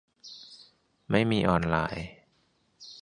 ไม่มีออนไลน์